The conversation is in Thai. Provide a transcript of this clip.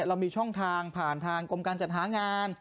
เรามีช่องทางผ่านทางกรมการจัดหางาน